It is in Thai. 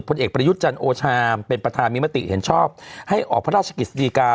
ผลเอกประยุทธ์จันทร์โอชามเป็นประธานมีมติเห็นชอบให้ออกพระราชกฤษฎีกา